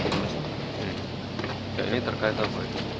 ya ini terkait apa